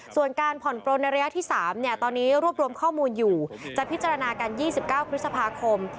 ส่วนการผ่อนปลนในระยะที่๓ตอนนี้รวบรวมข้อมูลอยู่จะพิจารณากัน๒๙พฤษภาคม